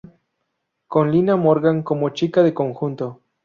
Con Lina Morgan como chica de conjunto.